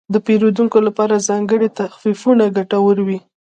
د پیرودونکو لپاره ځانګړي تخفیفونه ګټور وي.